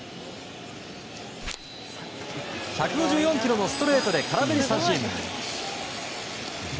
１５４キロのストレートで空振り三振。